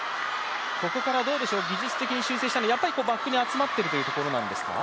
ここから技術的に修正したのはバックに集まっているということなんですか？